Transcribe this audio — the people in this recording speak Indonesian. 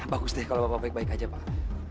bagus deh kalau bapak baik baik aja pak